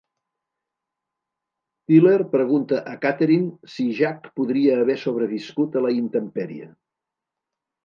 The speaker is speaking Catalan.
Tyler pregunta a Katheryn si Jack podria haver sobreviscut a la intempèrie.